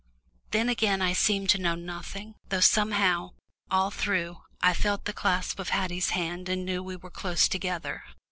Then again I seemed to know nothing, though somehow, all through, I felt the clasp of Haddie's hand and knew we were close together.